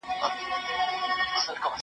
کېدای سي کتاب اوږد وي!!